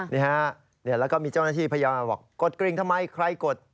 นี่ฮะแล้วก็มีเจ้าหน้าที่พยายามบอกกดกริ่งทำไมใครกด